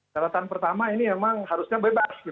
caratan pertama ini emang harusnya bebas